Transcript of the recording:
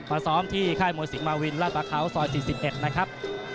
ซ้อมที่ค่ายมวยสิงหมาวินราชประเขาซอย๔๑นะครับ